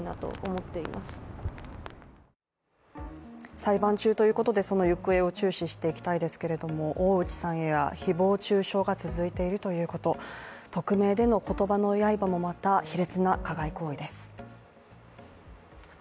裁判中ということで、その行方を注視していきたいですけれども、大内さんへは誹謗中傷が続いているということ、匿名での言葉の刃もまた、卑劣な加害行為です。